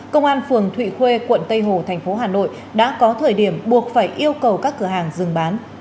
công an phường thụy khuê quận tây hồ thành phố hà nội đã có thời điểm buộc phải yêu cầu các cửa hàng dừng bán